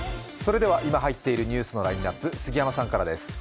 今入っているニュースのラインナップ、杉山さんからです。